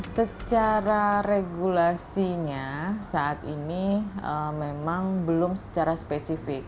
secara regulasinya saat ini memang belum secara spesifik